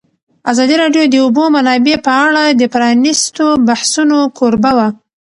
ازادي راډیو د د اوبو منابع په اړه د پرانیستو بحثونو کوربه وه.